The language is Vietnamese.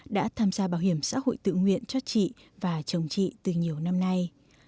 đã tham gia bảo hiểm xã hội tự nguyện cho chị và chồng chị từ nhiều năm nay